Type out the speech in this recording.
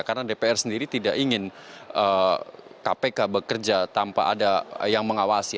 karena dpr sendiri tidak ingin kpk bekerja tanpa ada yang mengawasi